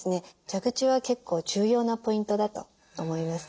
蛇口は結構重要なポイントだと思いますね。